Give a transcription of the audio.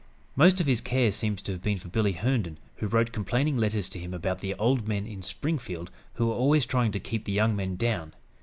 Most of his care seems to have been for Billy Herndon, who wrote complaining letters to him about the "old men" in Springfield who were always trying to "keep the young men down."